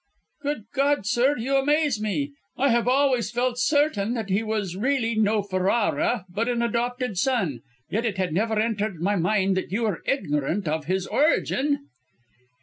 "Good God, sir, you amaze me! I have always felt certain that he was really no Ferrara, but an adopted son; yet it had never entered my mind that you were ignorant of his origin."